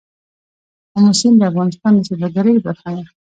آمو سیند د افغانستان د سیلګرۍ برخه ده.